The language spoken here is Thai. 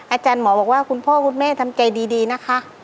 อาจารย์หมอบอกว่าคุณพ่อคุณแม่ทำใจดีนะคะ